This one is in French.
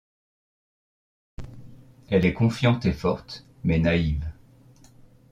Elle est confiante et forte, mais naïve.